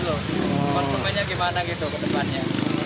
konsumennya gimana gitu ke depannya